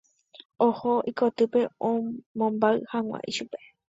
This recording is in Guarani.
Oho ikotýpe omombáy hag̃ua ichupe.